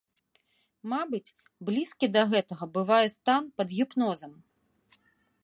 Мабыць, блізкі да гэтага бывае стан пад гіпнозам.